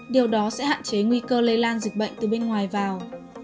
điều đó sẽ hạn chế nguy cơ lây lan dịch bệnh từ bên ngoài vào